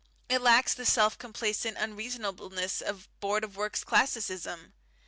It lacks the self complacent unreasonableness of Board of Works classicism.